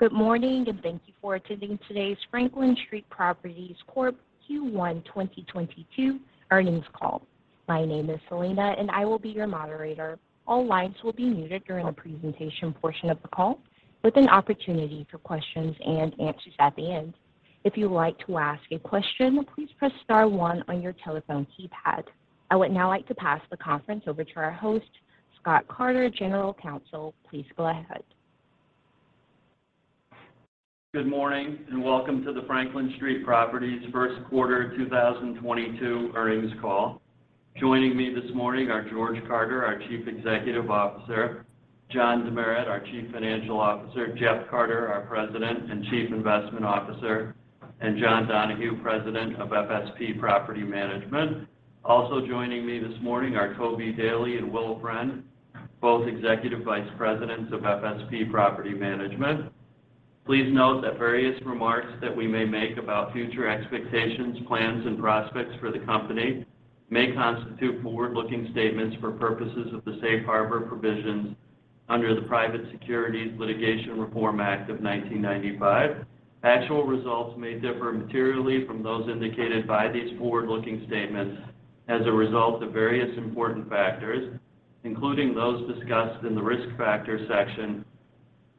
Good morning, and thank you for attending today's Franklin Street Properties Corp Q1 2022 Earnings Call. My name is Selena, and I will be your moderator. All lines will be muted during the presentation portion of the call, with an opportunity for questions and answers at the end. If you'd like to ask a question, please press star one on your telephone keypad. I would now like to pass the conference over to our host, Scott Carter, General Counsel. Please go ahead. Good morning, and welcome to the Franklin Street Properties Q1 2022 Earnings Call. Joining me this morning are George Carter, our Chief Executive Officer, John Demeritt, our Chief Financial Officer, Jeff Carter, our President and Chief Investment Officer, and John Donahue, President of FSP Property Management. Also joining me this morning are Toby Daley and Will Friend, both Executive Vice Presidents of FSP Property Management. Please note that various remarks that we may make about future expectations, plans, and prospects for the company may constitute forward-looking statements for purposes of the safe harbor provisions under the Private Securities Litigation Reform Act of 1995. Actual results may differ materially from those indicated by these forward-looking statements as a result of various important factors, including those discussed in the Risk Factors section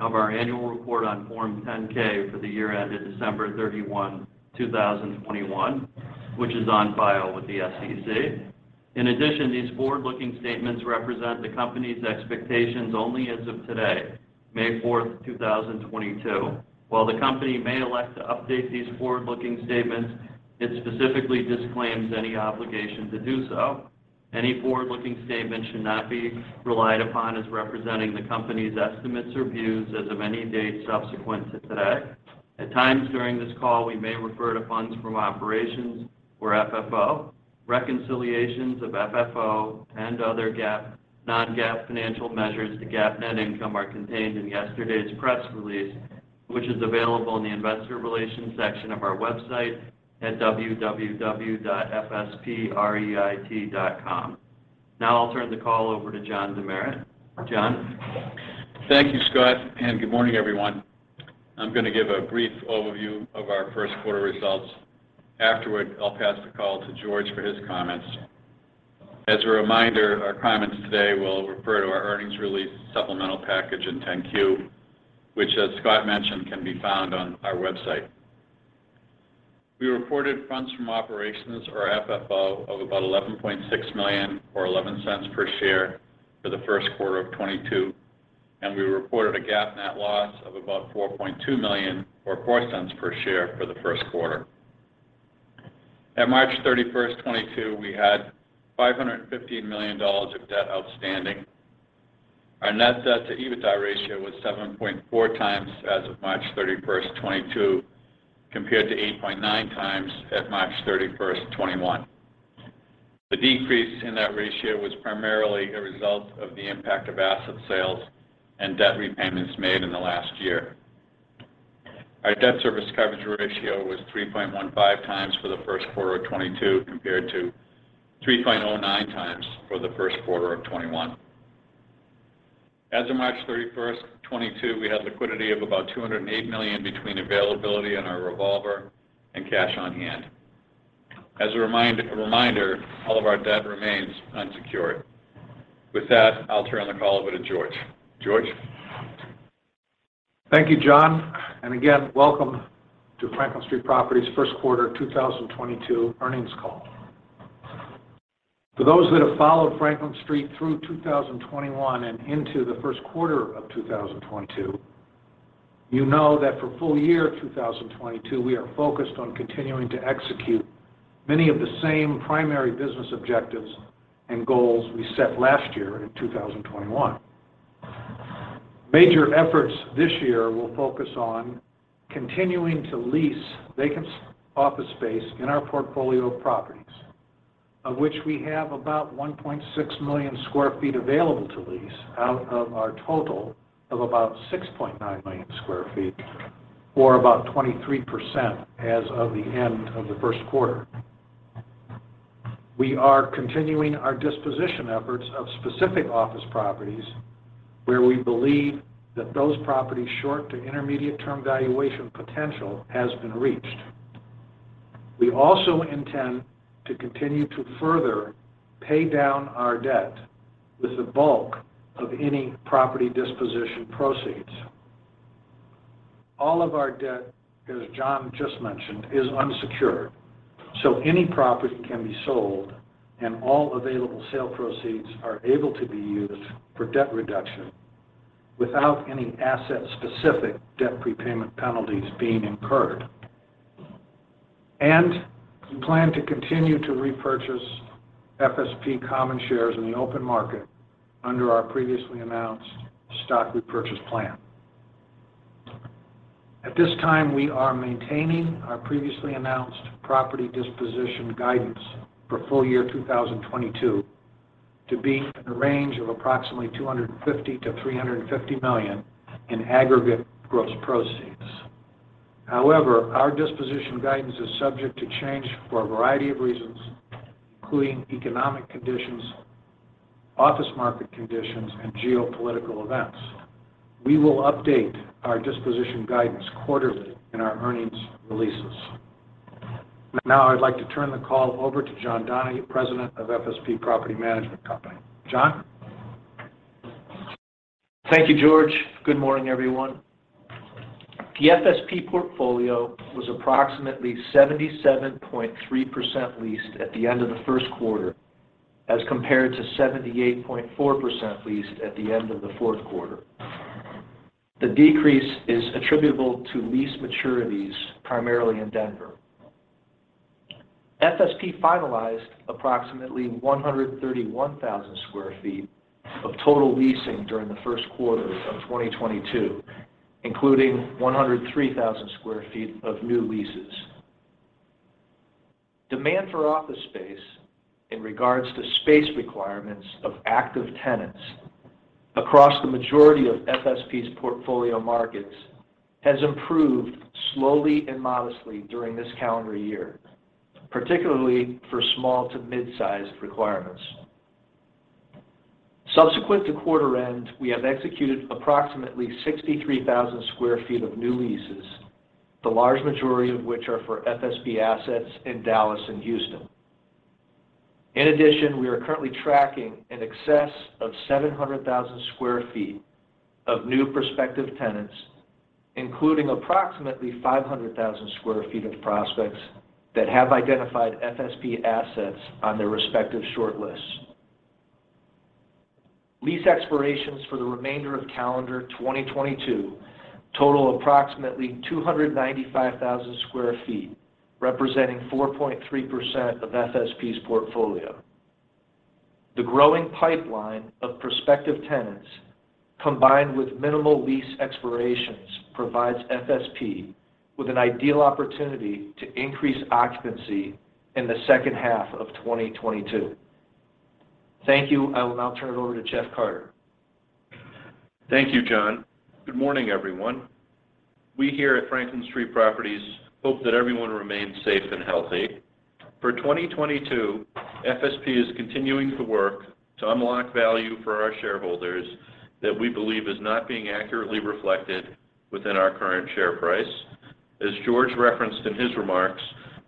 of our annual report on Form 10-K for the year ended December 31, 2021, which is on file with the SEC. In addition, these forward-looking statements represent the company's expectations only as of today, May 4, 2022. While the company may elect to update these forward-looking statements, it specifically disclaims any obligation to do so. Any forward-looking statements should not be relied upon as representing the company's estimates or views as of any date subsequent to today. At times during this call, we may refer to funds from operations or FFO. Reconciliations of FFO and other GAAP, non-GAAP financial measures to GAAP net income are contained in yesterday's press release, which is available in the investor relations section of our website at www.fspreit.com. Now I'll turn the call over to John Demeritt. John? Thank you, Scott, and good morning, everyone. I'm gonna give a brief overview of our Q1 results. Afterward, I'll pass the call to George for his comments. As a reminder, our comments today will refer to our earnings release supplemental package and 10-Q, which, as Scott mentioned, can be found on our website. We reported funds from operations or FFO of about $11.6 million or $0.11 per share for the Q1 of 2022, and we reported a GAAP net loss of about $4.2 million or $0.04 per share for the Q1. At March 31, 2022, we had $515 million of debt outstanding. Our net debt to EBITDA ratio was 7.4x as of March 31, 2022, compared to 8.9x at March 31, 2021. The decrease in that ratio was primarily a result of the impact of asset sales and debt repayments made in the last year. Our debt service coverage ratio was 3.15 times for the Q1 of 2022, compared to 3.09 times for the Q1 of 2021. As of March 31, 2022, we had liquidity of about $208 million between availability in our revolver and cash on hand. As a reminder, all of our debt remains unsecured. With that, I'll turn the call over to George. George? Thank you, John, and again, welcome to Franklin Street Properties Q1 2022 Earnings Call. For those that have followed Franklin Street through 2021 and into the Q1 of 2022, you know that for full year 2022, we are focused on continuing to execute many of the same primary business objectives and goals we set last year in 2021. Major efforts this year will focus on continuing to lease vacant office space in our portfolio of properties, of which we have about 1.6 million sq ft available to lease out of our total of about 6.9 million sq ft, or about 23% as of the end of the Q1. We are continuing our disposition efforts of specific office properties where we believe that those properties' short to intermediate term valuation potential has been reached. We also intend to continue to further pay down our debt with the bulk of any property disposition proceeds. All of our debt, as John just mentioned, is unsecured, so any property can be sold and all available sale proceeds are able to be used for debt reduction without any asset-specific debt prepayment penalties being incurred. We plan to continue to repurchase FSP common shares in the open market under our previously announced stock repurchase plan. At this time, we are maintaining our previously announced property disposition guidance for full year 2022 to be in the range of approximately $250-350 million in aggregate gross proceeds. However, our disposition guidance is subject to change for a variety of reasons, including economic conditions, office market conditions, and geopolitical events. We will update our disposition guidance quarterly in our earnings releases. Now I'd like to turn the call over to John F. Donahue, President of FSP Property Management. John? Thank you, George. Good morning, everyone. The FSP portfolio was approximately 77.3% leased at the end of the Q1 as compared to 78.4% leased at the end of the Q4. The decrease is attributable to lease maturities primarily in Denver. FSP finalized approximately 131,000 sq ft of total leasing during the Q1 of 2022, including 103,000 sq ft of new leases. Demand for office space in regards to space requirements of active tenants across the majority of FSP's portfolio markets has improved slowly and modestly during this calendar year, particularly for small to mid-sized requirements. Subsequent to quarter end, we have executed approximately 63,000 sq ft of new leases, the large majority of which are for FSP assets in Dallas and Houston. In addition, we are currently tracking in excess of 700,000 sq ft of new prospective tenants, including approximately 500,000 sq ft of prospects that have identified FSP assets on their respective shortlists. Lease expirations for the remainder of calendar 2022 total approximately 295,000 sq ft, representing 4.3% of FSP's portfolio. The growing pipeline of prospective tenants, combined with minimal lease expirations, provides FSP with an ideal opportunity to increase occupancy in the second half of 2022. Thank you. I will now turn it over to Jeff Carter. Thank you, John. Good morning, everyone. We here at Franklin Street Properties hope that everyone remains safe and healthy. For 2022, FSP is continuing to work to unlock value for our shareholders that we believe is not being accurately reflected within our current share price. As George referenced in his remarks,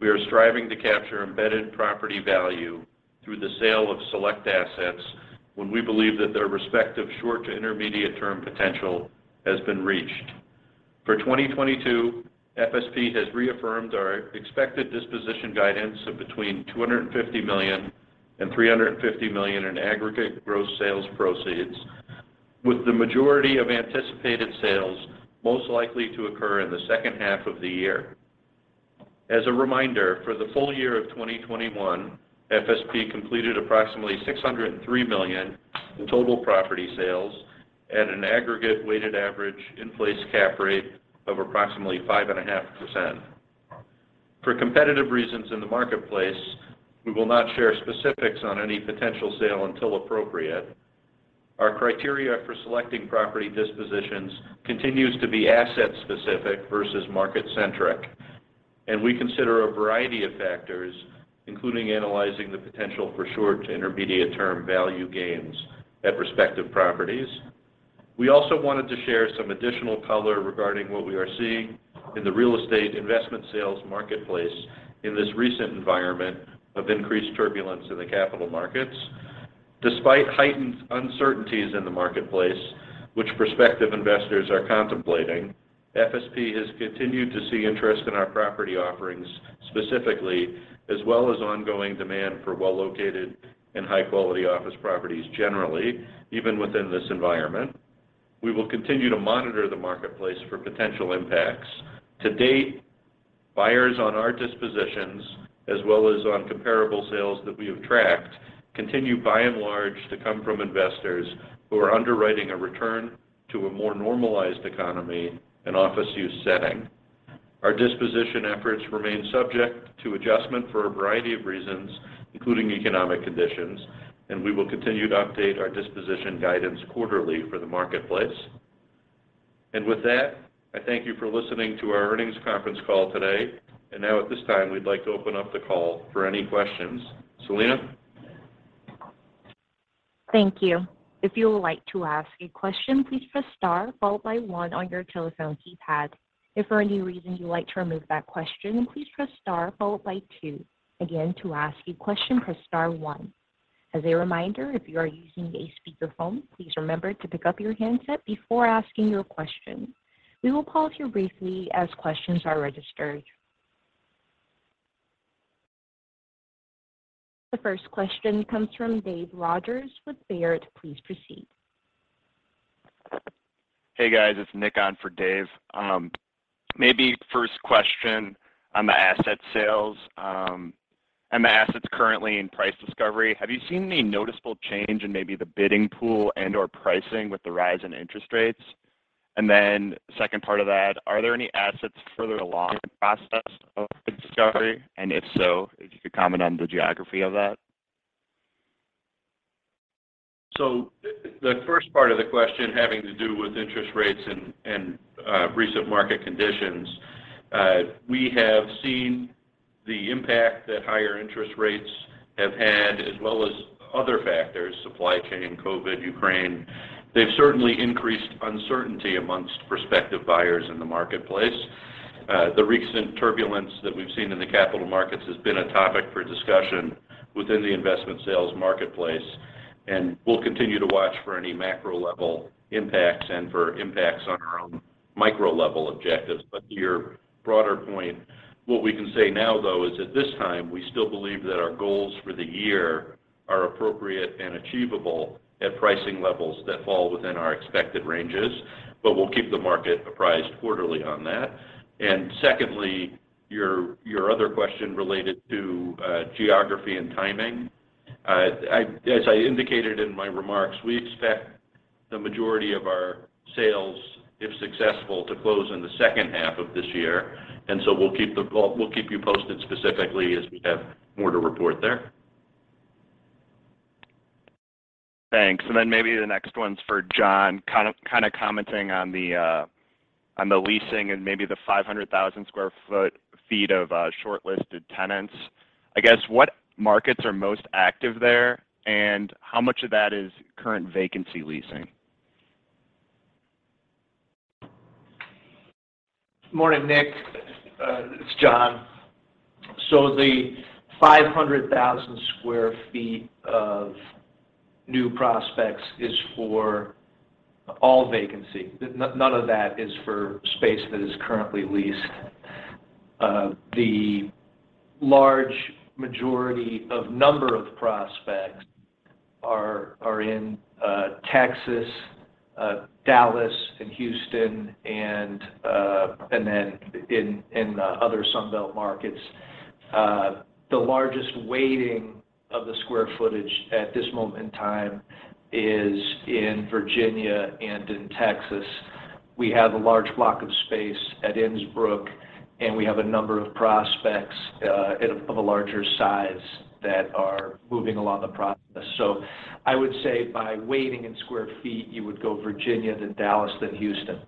we are striving to capture embedded property value through the sale of select assets when we believe that their respective short to intermediate term potential has been reached. For 2022, FSP has reaffirmed our expected disposition guidance of between $250 million and $350 million in aggregate gross sales proceeds, with the majority of anticipated sales most likely to occur in the second half of the year. As a reminder, for the full year of 2021, FSP completed approximately $603 million in total property sales at an aggregate weighted average in-place cap rate of approximately 5.5%. For competitive reasons in the marketplace, we will not share specifics on any potential sale until appropriate. Our criteria for selecting property dispositions continues to be asset specific versus market centric, and we consider a variety of factors, including analyzing the potential for short to intermediate term value gains at respective properties. We also wanted to share some additional color regarding what we are seeing in the real estate investment sales marketplace in this recent environment of increased turbulence in the capital markets. Despite heightened uncertainties in the marketplace, which prospective investors are contemplating, FSP has continued to see interest in our property offerings specifically, as well as ongoing demand for well-located and high-quality office properties generally, even within this environment. We will continue to monitor the marketplace for potential impacts. To date, buyers on our dispositions, as well as on comparable sales that we have tracked, continue by and large to come from investors who are underwriting a return to a more normalized economy and office use setting. Our disposition efforts remain subject to adjustment for a variety of reasons, including economic conditions, and we will continue to update our disposition guidance quarterly for the marketplace. With that, I thank you for listening to our earnings conference call today. Now at this time, we'd like to open up the call for any questions. Selena? Thank you. If you would like to ask a question, please press star followed by one on your telephone keypad. If for any reason you'd like to remove that question, please press star followed by two. Again, to ask a question, press star one. As a reminder, if you are using a speakerphone, please remember to pick up your handset before asking your question. We will pause here briefly as questions are registered. The first question comes from David Rodgers with Baird. Please proceed. Hey, guys. It's Nick on for Dave. Maybe first question on the asset sales, and the assets currently in price discovery. Have you seen any noticeable change in maybe the bidding pool and/or pricing with the rise in interest rates? Second part of that, are there any assets further along in the process of discovery? If so, if you could comment on the geography of that? The first part of the question having to do with interest rates and recent market conditions. We have seen the impact that higher interest rates have had as well as other factors, supply chain, COVID, Ukraine. They've certainly increased uncertainty among prospective buyers in the marketplace. The recent turbulence that we've seen in the capital markets has been a topic for discussion within the investment sales marketplace, and we'll continue to watch for any macro level impacts and for impacts on our own micro level objectives. To your broader point, what we can say now though is at this time, we still believe that our goals for the year are appropriate and achievable at pricing levels that fall within our expected ranges. We'll keep the market apprised quarterly on that. Secondly, your other question related to geography and timing. As I indicated in my remarks, we expect the majority of our sales, if successful, to close in the second half of this year. We'll keep you posted specifically as we have more to report there. Thanks. Maybe the next one's for John. Kind of commenting on the leasing and maybe the 500,000 sq ft of shortlisted tenants. I guess what markets are most active there, and how much of that is current vacancy leasing? Morning, Nick. It's John. The 500,000 sq ft of new prospects is for all vacancy. None of that is for space that is currently leased. The large majority of number of prospects are in Texas, Dallas and Houston, and then in the other Sunbelt markets. The largest weighting of the square footage at this moment in time is in Virginia and in Texas. We have a large block of space at Innsbrook, and we have a number of prospects of a larger size that are moving along the process. I would say by weighting in square feet, you would go Virginia, then Dallas, then Houston.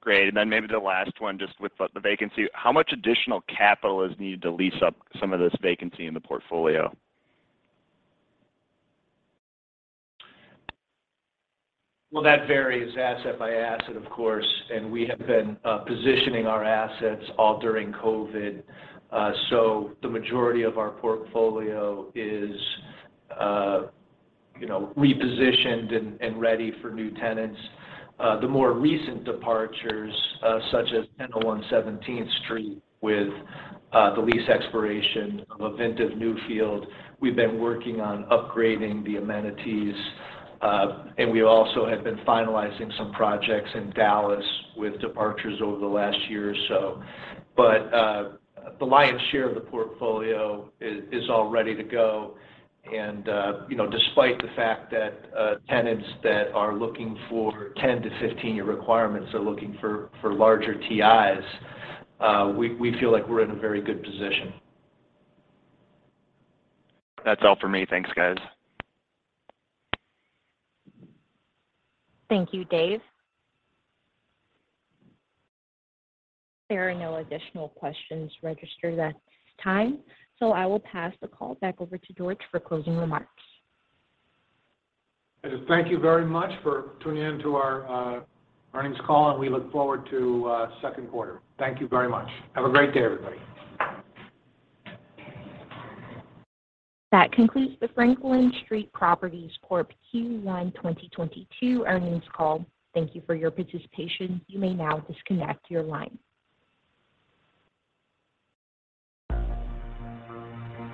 Great. Maybe the last one just with the vacancy. How much additional capital is needed to lease up some of this vacancy in the portfolio? Well, that varies asset by asset of course, and we have been positioning our assets all during COVID. The majority of our portfolio is, you know, repositioned and ready for new tenants. The more recent departures, such as 101 17th Street with the lease expiration of Ovintiv Newfield, we've been working on upgrading the amenities, and we also have been finalizing some projects in Dallas with departures over the last year or so. The lion's share of the portfolio is all ready to go and, you know, despite the fact that tenants that are looking for 10- to 15-year requirements are looking for larger TIs, we feel like we're in a very good position. That's all for me. Thanks, guys. Thank you, Dave. There are no additional questions registered at this time, so I will pass the call back over to George for closing remarks. Thank you very much for tuning in to our earnings call, and we look forward to Q2. Thank you very much. Have a great day, everybody. That concludes the Franklin Street Properties Corp. Q1 2022 Earnings Call. Thank you for your participation. You may now disconnect your line.